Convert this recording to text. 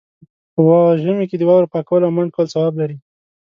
په ژمي کې د واورو پاکول او منډ کول ثواب لري.